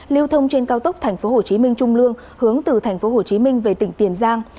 lưu thông trên cao tốc tp hcm trung lương hướng từ tp hcm về tỉnh tiền giang